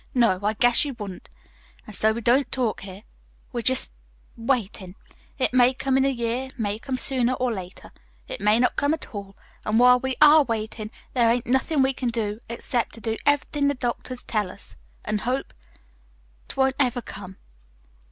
No, I guess you wouldn't. An' so we don't talk here. We're just waitin'. It may come in a year, it may come sooner, or later. It may not come at all. An' while we ARE waitin' there ain't nothin' we can do except to do ev'rything the doctor tells us, an' hope 't won't ever come."